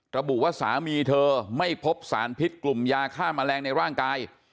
ระบุว่าสามีเธอไม่พบสารพิษกลุ่มยาฆ่าแมลงในร่างกาย